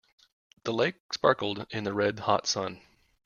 The lake sparkled in the red hot sun.